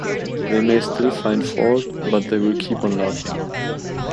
They may still find fault, but they will keep on laughing.